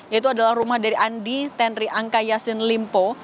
yaitu adalah rumah dari andi tenri angka yassin limpo